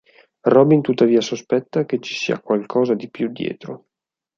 Robin tuttavia sospetta che ci sia qualcosa di più dietro.